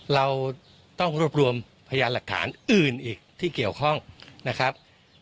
เราต้องรวบรวมพยานหลักฐานอื่นอีกที่เกี่ยวข้องนะครับ